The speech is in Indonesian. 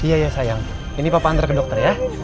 iya ya sayang ini papa antar ke dokter ya